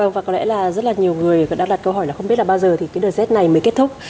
và có lẽ là rất là nhiều người vẫn đang đặt câu hỏi là không biết là bao giờ thì cái đợt rét này mới kết thúc